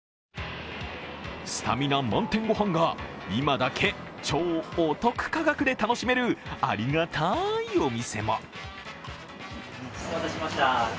スタミナ満点御飯が今だけ超お得価格で楽しめるありがたいお店も。